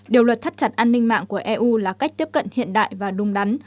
điều luật thắt chặt an ninh mạng của eu là cách tiếp cận hiện đại và đúng đắn